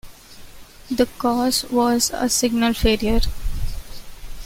The cause was a signal failure.